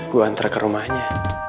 gue antar ke rumahnya